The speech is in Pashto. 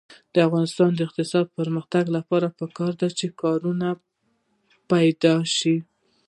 د افغانستان د اقتصادي پرمختګ لپاره پکار ده چې کارونه پیدا شي.